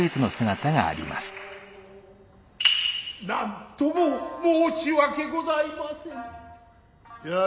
何とも申し訳ございませぬ。